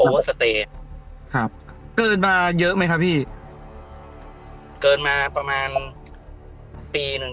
สุดท้ายก็ไม่มีทางเลือกที่ไม่มีทางเลือก